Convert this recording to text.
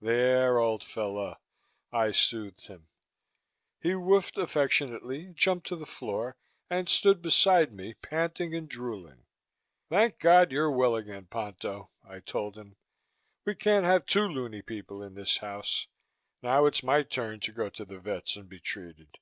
"There, old fellow," I soothed him. He wuffed affectionately, jumped to the floor, and stood beside me, panting and drooling. "Thank God, you're well again, Ponto," I told him. "We can't have two loony people in this house. Now it's my turn to go to the vet's and be treated."